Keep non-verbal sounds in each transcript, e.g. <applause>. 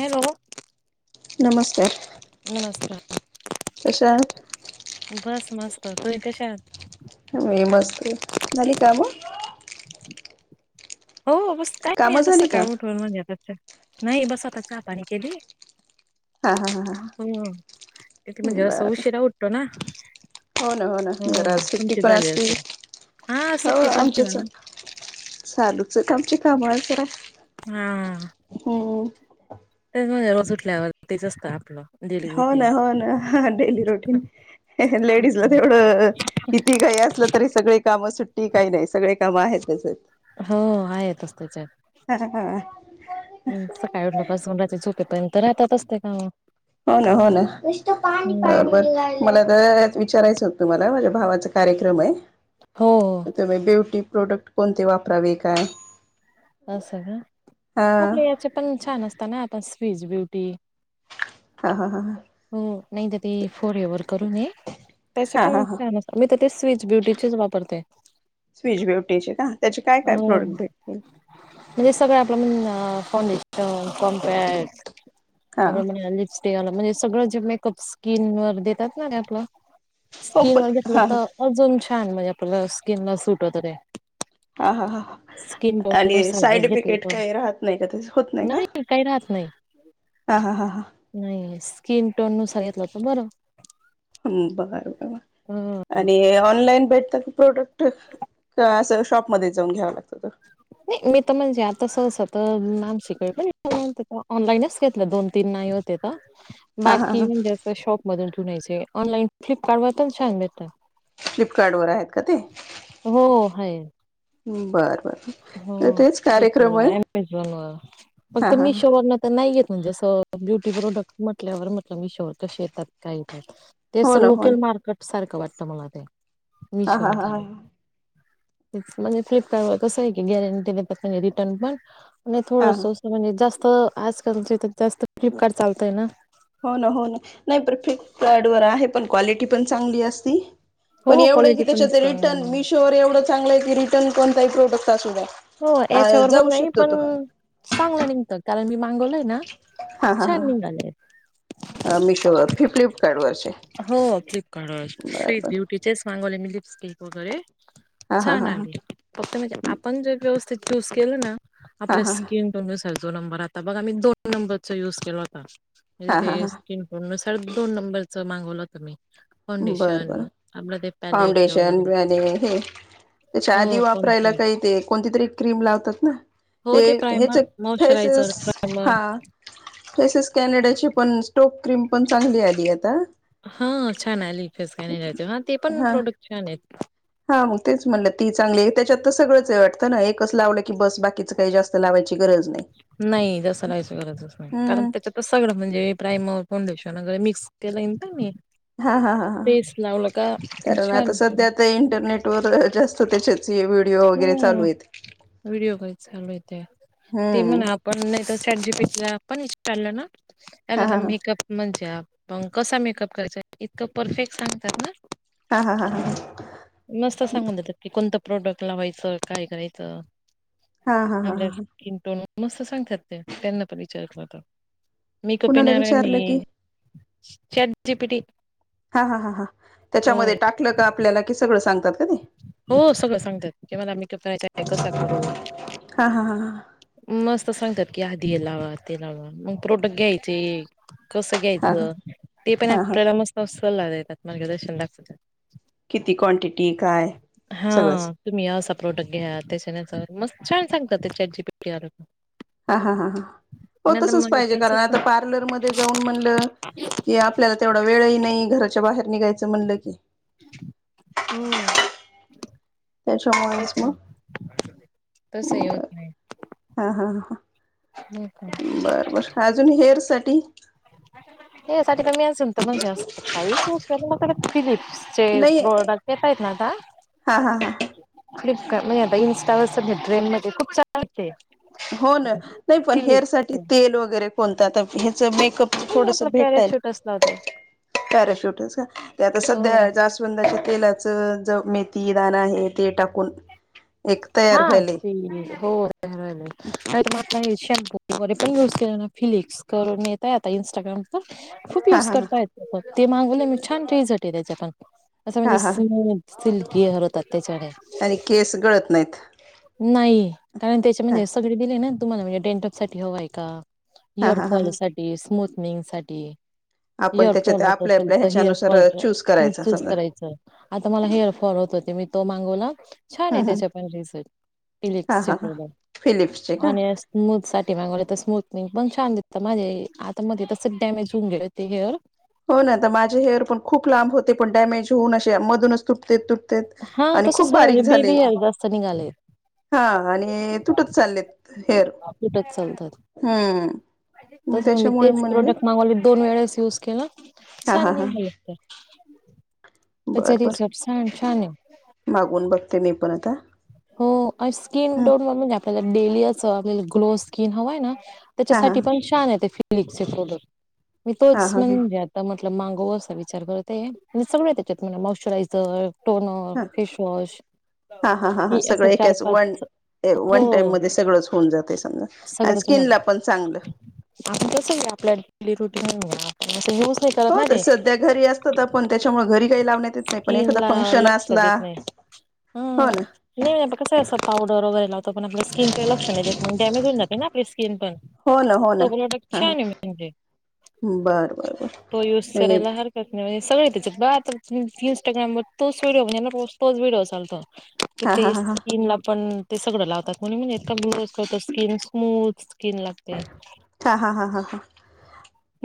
Hello नमस्ते नमस्कार कशा आहात बस मस्त तुम्ही कशा आहात? मी मस्त ये झाली काम? हो बस काही नाही कामं आता झाली का सकाळी उठून म आता नाही बस आता चहापाणी केली. हा हा हा हा हम्म तेे म्हणजे असं बरं उशीरा उठतो ना हो ना ना हो जरा सुट्टी तुमची पण झाली असते असेल हा हो सुट्टी पण ये आमच्याच मला चालूच आहेत आमचे काम आज जरा हम्म हो तेच म्हणते रोज उठल्यावर तेच असतं आपलं डेली हो रुटीन ना हो ना डेली रुटीन लेडीज ला तेवढं कितीही घाई असलं तरी सगळे कामं सुट्टी काही नाही सगळे काम आहेतच. हो आहेतच त्याच्यात हा हा हम्म सग काय उठल्या पासून रात्री झोपेर्यंत राहत्यातच ते काम हो ना हो ना हम्म बर मला त-अ च विचारायचं होतं मला माझ्या भावाचा कार्यक्रमय. हो. तुम्ही ब्युटी प्रोडक्ट कोणते वापरावे काय? असं का, हा आपले याचे पण छान असताना आता पस स्वीस ब्युटी. हा हा हा हा. हो नाही तर ते फोरेवर करू नये त्यास हा हा पण हा छान अस मी तर तेच स्विच ब्युटीचेच वापरते. स्विच ब्युटीचे का त्याचे काय अ काय प्रोडक्ट भेटतील? म्हणजे सगळं आपलं म्हण फाउंडेशन कॉम्पॅक्ट हा आपलं म्हण लिप्स ते वाल म्हणजे सगळं जे मेकअप स्किन वर देतात ना ते आपलं हो स्किन पण वर घेतलं हा त अजून छान म्हणजे आपल्या स्किनला सुट होत ते. हा हा हा. स्किन टोन आणि नुसार जर साईड घेतलं इफिकेट तर काही राहत नाही का त्याचं होत नाही का? काही राहत नाही हा हा हा हा. नाही स्किन टोन नुसार घेतलं त बरं. उम्म बर बर. हं. आणि ऑनलाईन भेटतात प्रोडक्ट का असं शॉपमध्ये जाऊन घ्याव लागतात. नाही मी त म्हणजे आता सहसा तर मॅमशी काही <unintelligible> ऑनलाईनच घेतलं दोन तीन नाही होते त हा हां बाकी हां म्हणजे असं शॉप मधून घेऊन यायचे ऑनलाईन फ्लिपकार्ड वर पण छान भेटता. फ्लिपकार्ड वर आहेत का ते? हो हाय. उम्म बरं बरं. हो तेच फिल्पका कार्यक्रम व आहे ॲमेझॉन व हा फक्त हा मिशोवरन तर नाही येत म्हणजे असं ब्युटी प्रोडक्ट म्हटल्यावर म्हटलं मीशोवर कशे येतात काय येतात? ते हो असं ना हो लोकेल ना मार्कट सारखं वाटतं मला ते हा मिशो हा हा म्हटल्यावर हा तेच म्हणजे फ्लिपकार व कसंय की गॅरंटी देतात म्हणजे रिटर्न पण आणि थोडंस हा असं म्हणजे जास्त आजकालच तर जास्त फ्लिपकार्ट चालतंय ना. हो ना हो ना नाही पर फ्रिपकार्ड वर आहे पण क्वालिटी पण चांगली असती. पण हो एवढंय की क्वालिटी पण तेच्याचे रिटर्न चांगली मिशोवर एवढं चांगलं आहे की रिटर्न कोणताही प्रोडक्ट असूद्या हो याच्यावर होत नाही पण चांगलं निंगत कारण मी मागवलंय ना छान निंगालय. अ मिशोवर कि फ्लिपकार्ड वरचे? हो फ्लिपकार्डवर बर स्वीस बर ब्युटीचेच मांगवले मी लिपस्टिक वगैरे हा हा छान हा हा आलेलं फक्त म्हणजे आपण जर व्यवस्थित चूस केलं ना आपल्या हा स्किन टोन नुसार जो नंबर आता बघा मी दोन नंबरचा युज केलो आता म्हणजे हा हा ते हा स्किन टोन नुसार दोन नंबरच मांगवलं होत मी. बरं फाउंडेशन बर, आपलं ते पॅलेट फाउंडेशन वगैरे ब्रॅने हे तेच्या हो आधी वापरायला कॉम्पॅक्ट काही ते कोणती तरी क्रीम लावतात ना? हो ते हेच प्रायमर फेसेस मॉइश्चरायझर प्रायमर हां. फेसेस कॅनेडाची पण स्ट्रोक क्रीम पण चांगली आली आता. हां छान आली फेस कॅनडाची ना ते पण प्रोडक्ट छानेत. हां मग तेच म्हणलं ती चांगली ये, त्याच्यात त सगळंचय वाटतं ना एकच लावलं की बस बाकीचं काही जास्त लावायची गरज नाही. नाही जास्त लावायची गरजच नाही कारण हम्म त्याच्यात सगळं म्हणजे प्रायम फाउंडेशन वगरे मिक्स केलय ना मी. हा-हा, हा-हा, तेच लावलं का कारण छान आता सध्या इंटरनेट वर जास्त त्याचेच व्हिडिओ वगैरे हम्म चालू येत. व्हिडिओ काही चालू आहे त्या ते म्हण? हम्म पण नाही तर चॅट जीपीटीला पण चाल नां हा आपल्याला, हा हा मेकअप म्हणजे मग कसा मेकअप करायचा, इतकं परफेक्ट सांगतात ना! हा-हा, हा-हा. मस्त सांगून देत की, कोणतं प्रोडक्ट लावायचं, काय करायचं. हा हा आपल्या हा हा किंटो मस्त सांगतात त्या, त्यानां पण विचारलं आता. मेकअप कुणाला विचारलं की आणि <unintelligible> चॅट जीपीटी हा-हा, हा-हा. हो त्याच्यामध्ये टाकलं का आपल्याला की सगळं सांगतात? का ते हो, सगळं सांगतात की, मला मेकअप करायचं आहे, कसा करू? हा हा हा हा मस्त सांगतात की, आधी हे लावा, ते लावा, मग प्रोडक्ट घ्यायचे. कसं हा घ्यायचं, हा ते पण हा हा आपल्याला मस्त सल्ला देतात मार्गदर्शन दाखवतात. किती क्वांटिटी, काय? हा, सगळंच तुम्ही या असा प्रोडक्ट घ्या, त्याच्या मस्त छान सांगत त्या चॅट जीपीटी हा-हा, हा'हो नाही तर तसच मग पाहिजे कारण तसच आता पार्लरमध्ये जाऊन म्हणलं कि आपल्याला तेवढा वेळही नाही, घराच्या बाहेर निघायचं म्हणलं की हम्म. त्याच्यामुळेच तस मग. तस हे होत हम्म, नाही. बरं हा-हा. हो का बर-बर, अजून हेअरसाठी. यासाठी का? मी असेल तर म्हणजेत, असत काहीच यूज मकडे फिलिप्सचे प्रोडक्ट येताईत न आता हा-हा-हा. फ्लिपकार्ट नाही आता, इंस्टावर सगळे ट्रेंडमध्ये. खूप छान! अच्छे हो ना, नाही, पण हेअर साठी तेल वगैरे कोणतं? आता ह्याच मेकअप नाही मी थोडसं आपला भेटलं पॅराशूट असला होता पॅराशूटचं. ते आता हो सध्या जास्वं स्वंदाच्या तेलाचं ज मेथी दाणा हे ते टाकून एक हा, तयार व्हायले ते हो. मग काय, शाम्पो? वगैरे पण युज केला ना? फिलिप्स करून येतयं आता, इंस्टाग्रामचा खूप हा युज हा करताय. हो, ते मागवलं मी. छान रिझल्ट आहे त्याच्या पण असं हा म्हणजे, हा स्मूथ सिल्किअर होतात. त्याच्याने आणि केस गळत नाहीत. नाही, कारण त्याच्या हा म्हणजे सगळे दिले ना. तुम्हाला म्हणजे डेंड्राफ साठी हवंय का? हा हा हा हेअरफॉलसाठी, स्मूथनिंगसाठी आपण हेअरफॉल त्याच्यात होत आपल्या असेल, आपल्या तर ह्याच्यानुसार हेअरफॉलचं चूज करायचा चूज समजा करायचं. आता मला हेअरफॉल होत होते, मी तो मागवला. छान आहे. हम्म त्याच्या पण रिजल्ट हा फिलिप्सचे हा हा प्रोडक्ट फिलिप्सचे का ओनस्ट स्मुथसाठी मागवलं तर स्मूथनिंग पण छान देतं. माझे आता मध्ये तसं डॅमेज होऊन गेले ते हेअर. हो ना! तर माझे हेअरं पण खूप लांब होते. पण डॅमेज होऊन अे मधूनच तुटते तुट ते हा आणि तसंच खूप झालं, बारीक म्हणजे झाले. बेबी हेअर जास्त निघाले हा, आणि तुटत चाललेत हेअर, तुटत चालतात हम्म. तसं मी त्याच्यामुळे तेच म्हणले प्रोडक्ट मागवले दोन वेळेस यूज खेळणार. हा हा छान निघाली एकतर बर-बर मागून बघते. मी पण आता हों आस् स्किन हा टोनला म्हणजे आपल्याला डेली असं आपल्याला ग्लो स्किन हवाय नां हा त्याच्यासाठी हा पण छान येतय फिलिक्स चे प्रॉडक्ट मी हा तोच हा हा म्हणजे तर म्हटलं मागवं असा विचार करत होते तेज्यात सगळे आहे त्याच्यात म्हणे मॉइस्चरायझर टोनर, फेशवॉश, हा हा हा हा हे सगळं असं चार, एकाच वन पाच हो वन टाईम मध्ये सगळंच होऊन जातेय समजा आणि सगळंच होणार स्किनला पण चांगलं. आपण कसंय ना आपल्या डेली रुटीन आपण असं रोज हो त सध्या घरी असतो तर पण त्याच्यामुळे घरी काही लावण्यात येत नाही पण एखादा स्किनला फंक्शन लक्ष असला हों नां मी प <unintelligible> पावडर वैगरे तो आपल्या स्किन काय लक्ष नाही देत डॅमेज होऊ जाते ना आपली स्किन पण. हो ना हो ना तो प्रोडक्ट हां छानयं म्हणजे बरं बरं बर तो युज नाही मी करायला हार त्यात नवे सगळेयं त्याच्यात पहा तर <inaudible> इंस्टाग्रामवर तोच व्हिडिओ म्हणजे तो व्हिडिओ चालतो कि हा ते हा हा हा स्किन ला पण ते सगळं लावतात म्हणून <unintelligible> इतका ग्लो करतो स्किन स्मूथ कीन लागते हां हां हां हां हा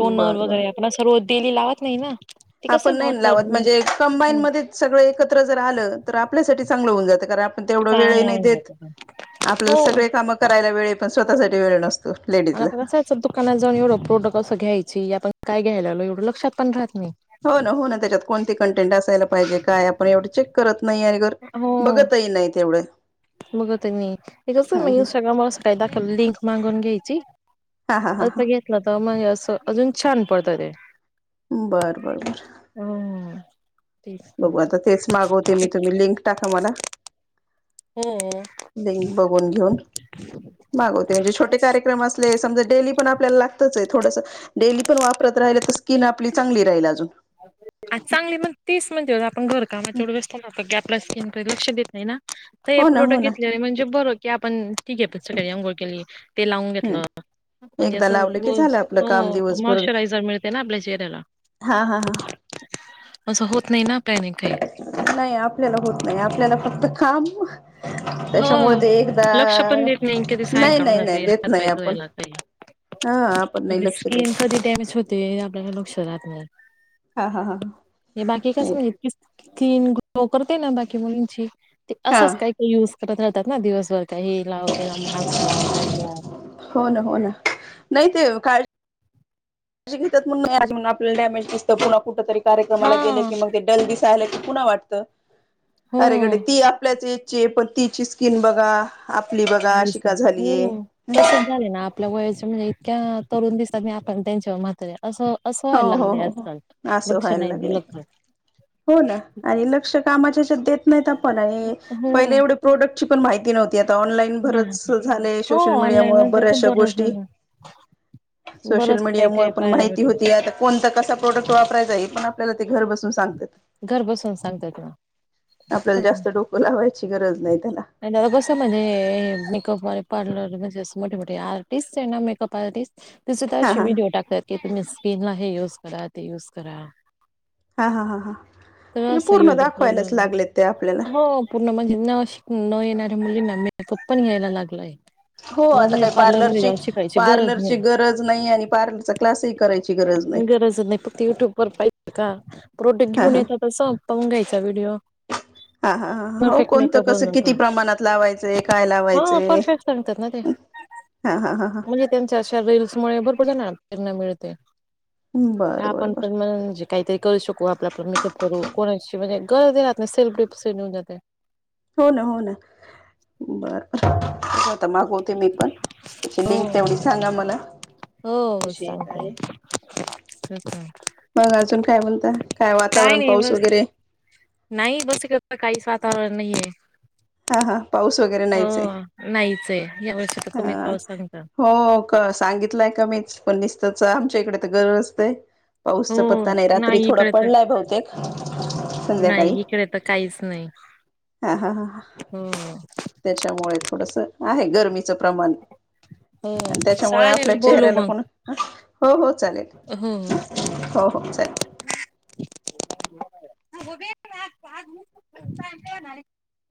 टोनर बरं बरं वगैरे आपण सर्व डेली लावत नाही ना! ते आपण कसं नाही नां भाव लावत म्हणजे कंबाईन मध्येच सगळं एकत्र जर आलं तर आपल्यासाठी चांगलं होऊन जातं कारण आ पण तेवढा वेळही नाही देत आपल्याला हो सगळे कामं करायला वेळयं पण स्वतःसाठी वेळ नसतो. आन् लेडीजला आपलं <unintelligible> दुकानात जाऊन एवढं प्रोडक्ट असं घ्यायची आपण काय घ्यायला आलो एवढं लक्षात पण राहत नायी. हों नां हों नां त्याच्यात कोणती कंटेंट असायला पाहिजे काय आपण एवढं चेक करत नाही आणि घर बघतही नाही तेवढं बगा तुम्ही हे कसंनी मी इंस्टाग्रामवर असं काही दाखवल लिंक मागून घ्यायची हा हा हा हा असं घेतलाता मग असं अजून छान पळतायतेत. बरं बर बर हुं बघू आता तेच मागवते मी तुम्ही लिंक टाका मला हुं लिंक बघून घेऊ मागवते म्हणजे छोटे कार्यक्रम असले समजा डेली पण आपल्याला लागतच येतं थोडस डेली पण वापरत राहिल तर स्किन आपली चांगली राहील अजून. आ चांगली मग तेच म्हणत्यात आपण घरकामात. एवढे व्यस्त राहतो की आपल्या स्किनकडे लक्ष देत नाही नां तर हे हो ना हो प्रोडक्ट ना घेतलेले म्हणजे बरं की आपण ठीकयेत घेतात सगळी आंघोळ केली ते लावून हम्म घेतलं आणि एकदा अस् लावलं आहे की रोज झालं आपलं काम दिवसभर मॉश्चरायझर मिळतेय ना आपल्या चेहऱ्याला. हां हां हां असं होत नाही ना प्लानीगं काही नायी आपल्याला होत नाही आपल्याला फक्त काम त्याच्यामुळे हो. ते एकदा लक्ष पण देत नाही कधी नाई सायंकाळून नाई नाई जाते देत हात पाय नाही आपण धुवायला काही. हां आपण नाई लक्ष देत ते आपल्याला लोक्ष राहत नाय. हां हां हां ह हे बाकी कसय नाही क्लीन गलो करते ना बाकी मुलींची ते हा असंच काय ते युज करत राहतात ना दिवसभर काहीही लावतेला मास्क लाव ते यूज हों ना हों ना नाही ते काळ अशेघेता आपला डॅमेज दिसत पुन्हा कुठ तरी कार्यक्रमाला गेलं हां. की मग ते हेल्दी सॅलेड पुन्हा वाटत अरे गड्या हो. ती ही आपलेच आहेत. चे पण तीची स्किन बघा आपली बघा अशी दिसतं. का झालीय. हो. तसंच झालंय ना आपल्या वयाच्या म्हणजे इतक्या तरुण दिसतात नाही आपण त्यांच्यावर म्हातारे असं. असं हो व्हायला हो लागलंय हो, आजकाल. असं लक्ष व्हायला नाही लागले दिलं का. हो ना आणि लक्ष. कामाची शेत नाहीतप आणि हो. पहिले एवढं प्रोडण पण माहि्ती नव्हती ऑनलाईन. बरचस नाही. झालय हो सोशल मीडिया ऑनलाईन मुळ म्हणजे खूप बऱ्याचशा गोष्टी. बरंच सोशल बरंच मीडिया काही मुळ काही पण पाहायला माहिती भेटलं. होती आता कोणता कसा प्रोडक्ट वापरायचा आहे पण आपल्याला ते घर बसून ''--'' घर बसून सांगतात ना. सांगत्यात आपल्याला तर जास्त डोकं लावायची गरज नाही त्याला. आणि कसं म्हणजे मेकअप वाले पार्लर म्हणजे अस मोठे मोठे आर्टिस्ट आहे ना मेकअप आर्टिस्ट. ते सुद्धा हा असे हा विडओ टाकतात की तुम्ही स्किन ला हे युज करा ते युज करा. हा हा हा हा, तर म्हणजे असं पूर्ण दाखवायलाच युट्यूब लागले ते आपल्याला. हो पूर्ण म्हणजे न शिक न येणाऱ्या मुलींना मेकअप पण घ्यायला लागलाय. हो न आता म्हणजे काही पार्लरमध्ये पार्लरची जाऊन शिकायची गरज पार्लरची नाही गरज नाही आणि पार्लरच. क्लासही करायची गरज नाही. खरंच नाही फक्त युट्यब. र पाहिजे का प्रोडक्ट हा घेऊन हा येत तर संपवून घ्यायचा व्हिडिओ. हा हा हो, परफेक्ट कोणतं मेकअप होऊन कसं किती जातो प्रमाणात लावायचंय काय हा लावायचें परफेक्ट सांगतात ना ते हम. हा हा हा हा, म्हणजे त्यांच्या अशा रील्स मुळे भरपूर ज प्रेरणा मिळते बर बर आपण बर पण म्हणजे. काहीतरी करू शकू आपल्या आपला मेकअप करू कोणाची म्हणजे गरज राह नाही सेल्फ ग्रुप सऊन जाते. हो ना हो ना बर बर बर. आता मागवते मी पण त्याची हो लिंक तेवढी सांगा मला. हो कशी आहे काय सांगते आहे. <inaudible> मग अजून काय म्हणता? काय वातावरण नाही पाऊस बस वगैरे नाही बस काहीच वातावरण नाही आहेे. हा हा, पाऊस वगैरे नाहीयच आहे. नाहीच आहे ह्या वेळेस. हा, हो का सांगितलंय का मीच पण निसतच आमच्या इकडे तर गरज असते. हो पाऊसचा पत्ता नाही रात्री थोडा इकडे तर पडलाय बहुतेक संध्याकाळी. आता काहीच नाही. हा हा हा हा, हो. त्याच्यामुळे थोडस आहे गरमीचं प्रमाण. हो. आणि त्याच्यामुळे चालेल आपल्या बोलू चेहऱ्याला मग पण हो हो चालेल. हो हो,